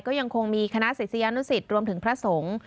ก็ยังคงมีคณะศิษยานุสิตรวมถึงพระสงฆ์